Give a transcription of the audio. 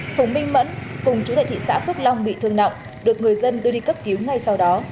phùng minh mẫn cùng chú tại thị xã phước long bị thương nặng được người dân đưa đi cấp cứu ngay sau đó